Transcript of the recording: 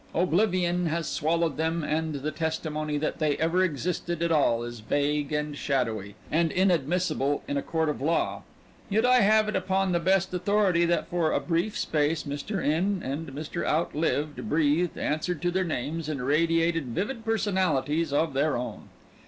Oblivion has swallowed them and the testimony that they ever existed at all is vague and shadowy, and inadmissible in a court of law. Yet I have it upon the best authority that for a brief space Mr. In and Mr. Out lived, breathed, answered to their names and radiated vivid personalities of their own.